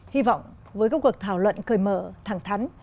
hy vọng với các cuộc thảo luận cởi mở thẳng thắn